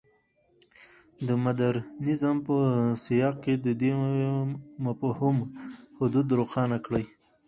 د مډرنیزم په سیاق کې د دې مفهوم حدود روښانه کړي.